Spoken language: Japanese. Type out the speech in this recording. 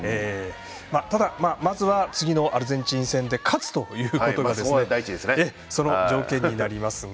まずは次のアルゼンチン戦で勝つということがその条件になりますが。